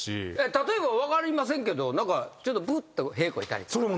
例えば分かりませんけど何かブッと屁こいたりとか。